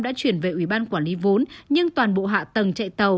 đã chuyển về ủy ban quản lý vốn nhưng toàn bộ hạ tầng chạy tàu